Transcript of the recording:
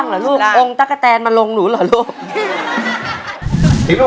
โปรดติดตามต่อไป